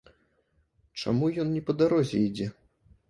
Чаму ён не па дарозе ідзе?